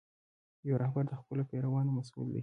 یو رهبر د خپلو پیروانو مسؤل دی.